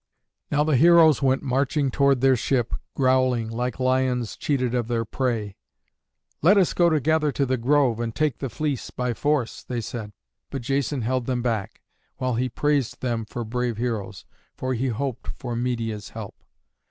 Now the heroes went marching toward their ship, growling, like lions cheated of their prey. "Let us go together to the grove and take the fleece by force," they said. But Jason held them back, while he praised them for brave heroes, for he hoped for Medeia's help.